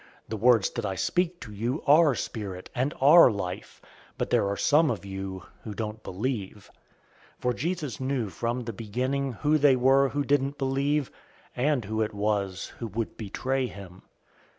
The words that I speak to you are spirit, and are life. 006:064 But there are some of you who don't believe." For Jesus knew from the beginning who they were who didn't believe, and who it was who would betray him.